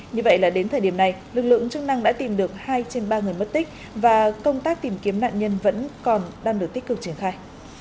như vậy là đến thời điểm này lực lượng chức năng đã tìm được hai trên ba người mất tích và công tác tìm kiếm nạn nhân vẫn còn đang được tích cực triển khai